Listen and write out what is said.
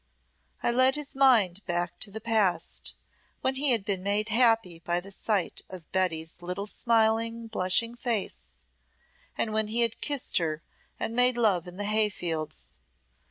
I led his mind back to the past, when he had been made happy by the sight of Betty's little smiling, blushing face, and when he had kissed her and made love in the hayfields.